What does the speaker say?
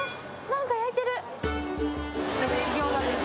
何か焼いてる。